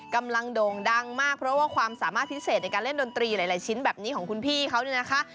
โด่งดังมากเพราะว่าความสามารถพิเศษในการเล่นดนตรีหลายชิ้นแบบนี้ของคุณพี่เขาเนี่ยนะคะ